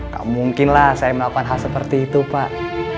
gak mungkin lah saya melakukan hal seperti itu pak